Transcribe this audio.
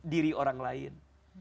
diri orang lain